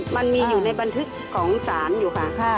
มันมีอยู่ในบันทึกของศาลอยู่ค่ะ